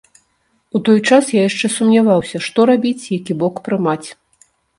У той час я яшчэ сумняваўся, што рабіць, які бок прымаць.